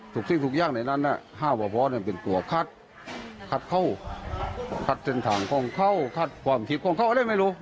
ทุกสิ่งทุกอย่างในนั้นอะห้าพ่อพ่อเนี่ยมันเป็นตัวคัดคัดเข้าคัดเส้นทางของเข้าคัดความคิดของเข้าอะไรไม่รู้